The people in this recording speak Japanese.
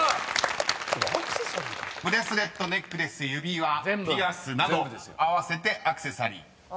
［ブレスレットネックレス指輪ピアスなど合わせて「アクセサリー」